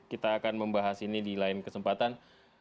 kita akan membahas ini di lain kesempatan